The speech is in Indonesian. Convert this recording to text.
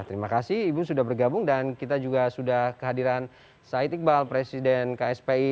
terima kasih ibu sudah bergabung dan kita juga sudah kehadiran said iqbal presiden kspi